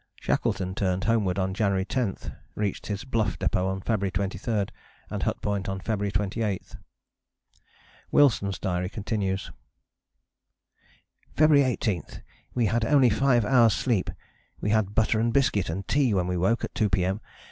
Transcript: Shackleton turned homeward on January 10: reached his Bluff Depôt on February 23, and Hut Point on February 28. Wilson's diary continues: "February 18. We had only five hours' sleep. We had butter and biscuit and tea when we woke at 2 P.M.